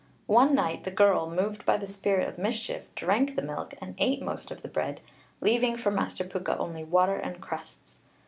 One night the girl, moved by the spirit of mischief, drank the milk and ate most of the bread, leaving for Master Pwca only water and crusts.